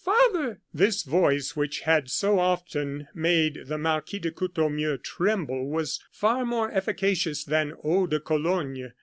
father!" This voice, which had so often made the Marquis de Courtornieu tremble, was far more efficacious than eau de cologne.